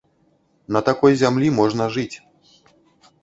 На такой зямлі можна жыць.